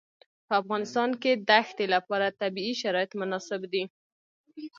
په افغانستان کې د ښتې لپاره طبیعي شرایط مناسب دي.